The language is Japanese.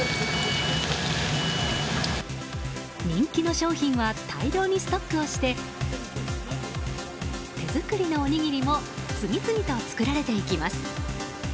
人気の商品は大量にストックをして手作りのおにぎりも次々と作られていきます。